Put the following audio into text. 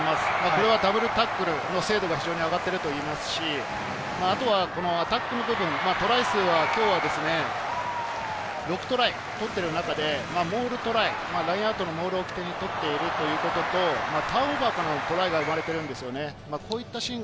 これはダブルタックルの精度が非常に上がっているといえますし、アタックの部分、トライ数は今日は６トライ、モールトライ、ラインアウトのモールを起点に取っているということと、ターンオーバーからのトライが生まれてるんですよね。